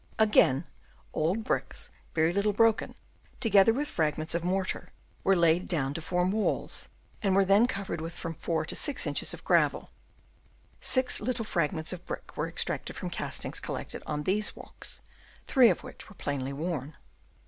Again, old bricks very little broken, together with fragments of mortar, were laid down to form walks, and were then covered with from 4 to 6 inches of gravel; six little fragments of brick were extracted from castings collected on these walks, three of which were plainly worn.